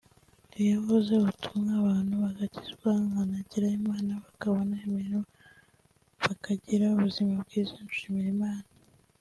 iyo mvuze ubutumwa abantu bagakizwa nkanagira n’Imana bakabona imirimo bakagira ubuzima bwiza nshimira Imana